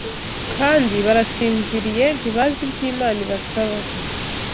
kandi barasinziriye ntibazi ibyo Imana ibasaba